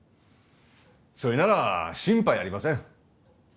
そいなら心配ありません。